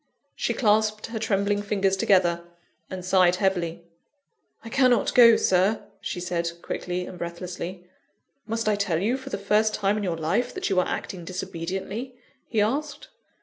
She clasped her trembling fingers together, and sighed heavily. "I cannot go, Sir," she said quickly and breathlessly. "Must I tell you for the first time in your life, that you are acting disobediently?" he asked.